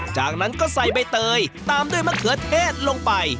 จากนั้นก็ใส่ใบเตยตามด้วยมะเขือเทศลงไป